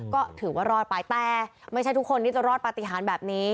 ก็ถือว่ารอดไปแต่ไม่ใช่ทุกคนที่จะรอดปฏิหารแบบนี้